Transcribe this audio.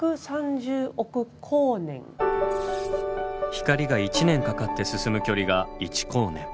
光が１年かかって進む距離が１光年。